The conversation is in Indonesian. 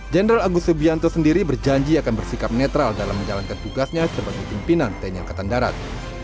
jenderal agus subianto sendiri berjanji akan bersikap netral dalam menjalankan tugasnya sebagai pimpinan tni angkatan darat